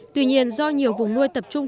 tuy nhiên do nhiều vùng nuôi tập trung